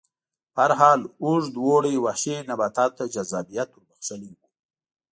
په هر حال اوږد اوړي وحشي نباتاتو ته جذابیت ور بخښلی و